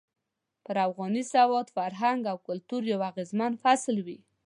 پر افغاني سواد، فرهنګ او کلتور يو اغېزمن فصل وي.